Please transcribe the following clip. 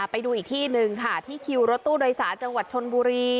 ไปดูอีกที่หนึ่งค่ะที่คิวรถตู้โดยสารจังหวัดชนบุรี